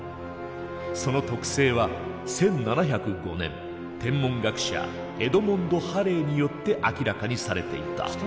その特性は１７０５年天文学者エドモンド・ハレーによって明らかにされていた。